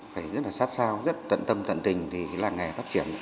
phải rất là sát sao rất tận tâm tận tình thì làng nghề phát triển